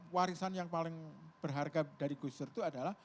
warisan yang paling berharga dari gus dur itu adalah